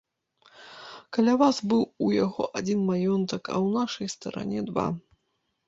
Каля вас быў у яго адзін маёнтак, а ў нашай старане два.